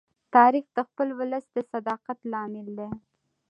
تاریخ د خپل ولس د صداقت لامل دی.